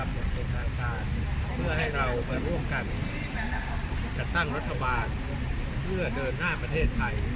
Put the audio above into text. เพื่อให้เรามาร่วมกันจัดตั้งรัฐบาลเพื่อเดินหน้าประเทศไทย